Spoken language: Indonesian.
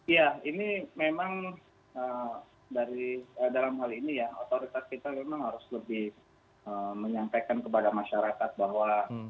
ya ini memang dalam hal ini ya otoritas kita memang harus lebih menyampaikan kepada masyarakat bahwa